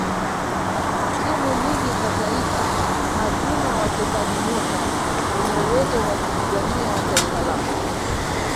timu nyingi za taifa hazina wachezaji nyota wenye uwezo wa kupigania taifa lako